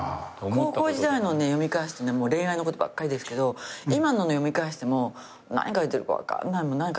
高校時代のを読み返すとねもう恋愛のことばっかりですけど今のの読み返しても何書いてるか分かんない。